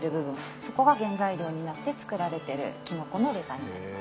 そこが原材料になって作られてるキノコのレザーになります。